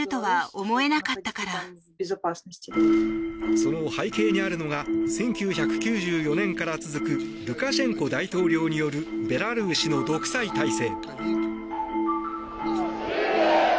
その背景にあるのが１９９４年から続くルカシェンコ大統領によるベラルーシの独裁体制。